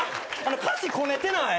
歌詞こねてない？